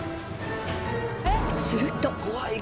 すると。